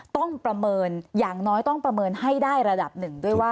ประเมินอย่างน้อยต้องประเมินให้ได้ระดับหนึ่งด้วยว่า